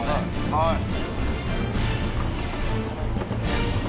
はい。